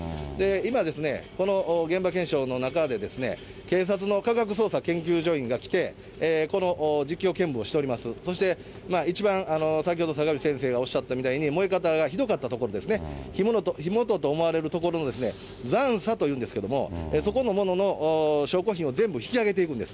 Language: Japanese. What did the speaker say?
今ですね、この現場検証の中で、警察の科学捜査研究所員が来て、この実況見分をしております、そして一番先ほど坂口先生がおっしゃったみたいに、燃え方がひどかった所ですね、火元と思われる所の残さというんですけれども、そこのものの証拠品を全部引き上げていくんです。